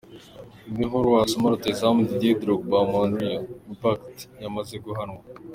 Indi nkuru wasoma: Rutahizamu Didier Drogba wa Montreal Impact yamaze guhanwa!.